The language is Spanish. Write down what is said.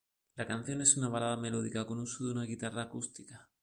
La canción es una balada melódica con uso de una guitarra acústica.